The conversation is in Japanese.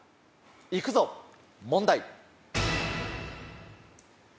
行くぞ問題。